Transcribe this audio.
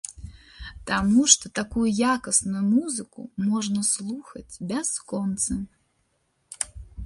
Таму што такую якасную музыку можна слухаць бясконца.